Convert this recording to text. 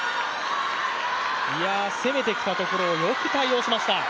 攻めてきたところをよく対応しました。